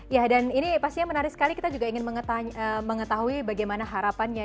ya dan ini pastinya menarik sekali kita juga ingin mengetahui bagaimana harapannya